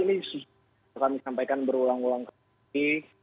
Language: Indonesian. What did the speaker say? ini sudah kami sampaikan berulang ulang kali ini